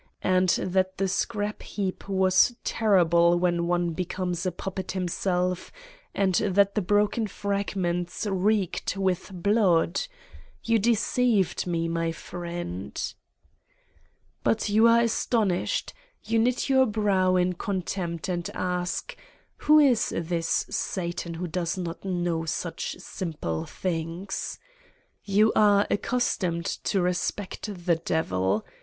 And that the scrap heap was terrible when one becomes a puppet himself and that the broken fragments reeked with blood. You deceived me, my friend ! 97 Satan's Diary But you are astonished. You knit your brow in contempt and ask : Who is this Satan who does not know such simple things? You are ac customed to respect the Devil.